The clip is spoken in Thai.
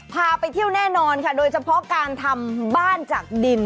พาไปเที่ยวแน่นอนค่ะโดยเฉพาะการทำบ้านจากดิน